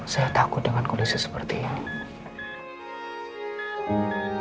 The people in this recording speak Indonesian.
saya takut dengan kondisi seperti ini